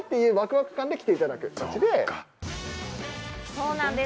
そうなんです。